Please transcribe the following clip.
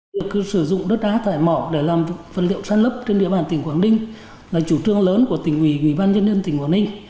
công ty sử dụng đất đá thải mỏ để làm phần liệu sàn lấp trên địa bàn tỉnh quảng ninh là chủ trương lớn của tỉnh ủy ủy ban nhân dân tỉnh quảng ninh